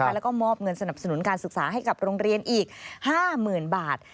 แล้วก็มอบเงินสนับสนุนการศึกษาให้กับโรงเรียนอีก๕๐๐๐บาท